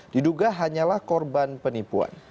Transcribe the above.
diduga hanyalah korban penipuan